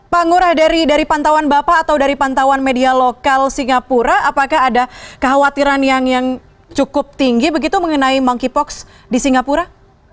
pak ngurah dari pantauan bapak atau dari pantauan media lokal singapura apakah ada kekhawatiran yang cukup tinggi begitu mengenai monkeypox di singapura